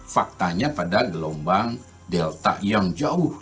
faktanya pada gelombang delta yang dikira sebagai varian omikron